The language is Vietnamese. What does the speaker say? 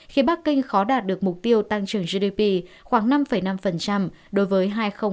khi bắc kinh khó đạt được mục tiêu tăng trưởng gdp khoảng năm năm đối với hai nghìn hai mươi hai